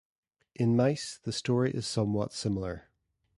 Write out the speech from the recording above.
In mice, the story is somewhat similar.